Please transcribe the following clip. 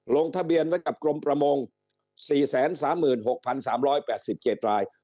ลงทะเบียนไว้กับกรมประมง๔๓๖๓๘๗ราย